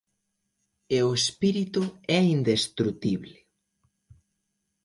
E o espírito é indestrutible.